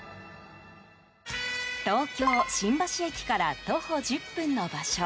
東京・新橋駅から徒歩１０分の場所。